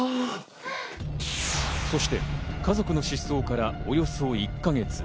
そして家族の失踪から、およそ１か月。